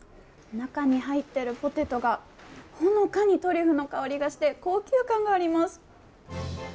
中に入っているポテトがほのかにトリュフの香りがして高級感があります。